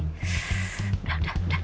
udah udah udah